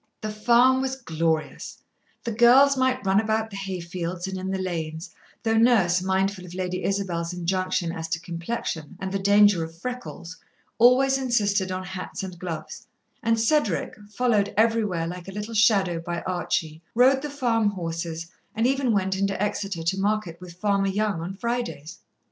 The farm was glorious. The girls might run about the hay fields and in the lanes, though Nurse, mindful of Lady Isabel's injunction as to complexion and the danger of freckles, always insisted on hats and gloves; and Cedric, followed everywhere like a little shadow by Archie, rode the farm horses and even went into Exeter to market with Farmer Young on Fridays.